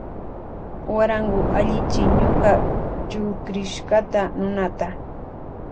Guarango allichin ñuka chukrishkata nunata.